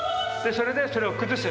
それでそれを崩す。